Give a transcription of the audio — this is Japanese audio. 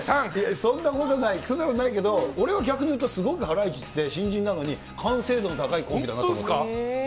そんなことない、そんなことないけど、俺は逆に言うと、すごくハライチって、新人なのに完成度の高いコンビだなと思った。